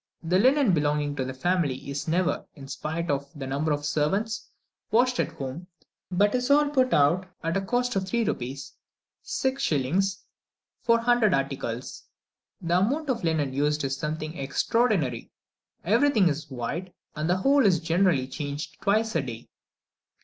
The linen belonging to the family is never, in spite of the number of servants, washed at home, but is all put out, at the cost of three rupees (6s.) for a hundred articles. The amount of linen used is something extraordinary; everything is white, and the whole is generally changed twice a day.